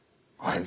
はい。